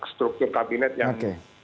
struktur kabinet yang oke